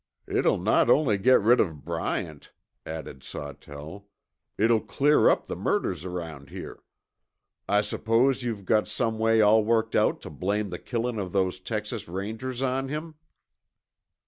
"It'll not only get rid of Bryant," added Sawtell, "it'll clear up the murders around here. I suppose you've got some way all worked out to blame the killin' of those Texas Rangers on him?"